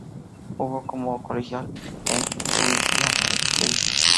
Jugo como colegial en Louisiana State.